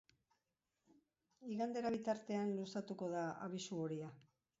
Igandera bitartean luzatuko da abisu horia.